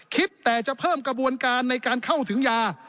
คิดแต่จะเพิ่มกระบวนการในการเข้าถึงยา